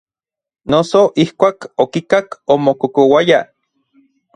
Noso ijkuak okikak omokokouaya.